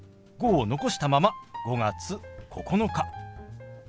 「５」を残したまま「５月９日」。